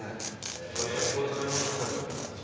昔はここで買い物してたんだみんな。